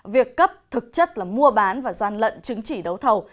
việc cấp thực chất là mua bán và gian lận chứng chỉ đấu thầu